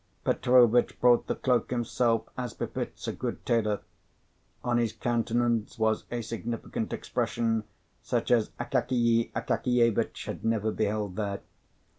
Petrovitch brought the cloak himself as befits a good tailor. On his countenance was a significant expression, such as Akakiy Akakievitch had never beheld there.